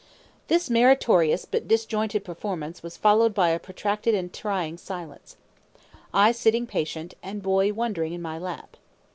This meritorious but disjointed performance was followed by a protracted and trying silence, I sitting patient, and Boy wondering in my lap.